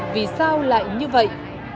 vì sao lại như vậy